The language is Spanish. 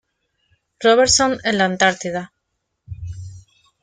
Robertson en la Antártida.